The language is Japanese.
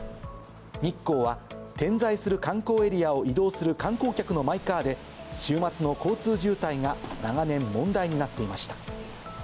日光は、点在する観光エリアを移動する観光客のマイカーで、週末の交通渋滞が長年、問題になっていました。